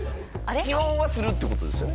基本はするってことですよね？